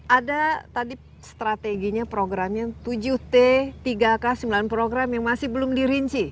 ada tadi strateginya programnya tujuh t tiga k sembilan program yang masih belum dirinci